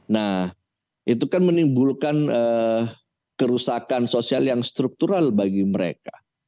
nah itu kan menimbulkan kerusakan sosial yang struktural bagi mereka